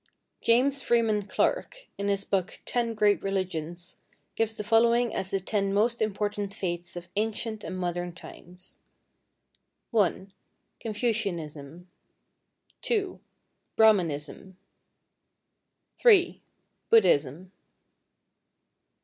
= James Freeman Clarke, in his book "Ten Great Religions," gives the following as the ten most important faiths of ancient and modern times: (1) Confucianism. (2) Brahmanism. (3) Buddhism.